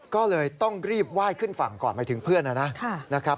ก็เลยต้องรีบไหว้ขึ้นฝั่งก่อนหมายถึงเพื่อนนะครับ